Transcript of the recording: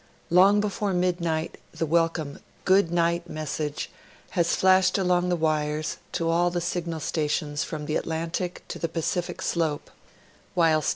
Long before midnight the welcome " good night " message has flashed along the wires to all the signal stations from the Atlantic to the Pacific slope, whilst The Great Storin of March 11 U, 1888.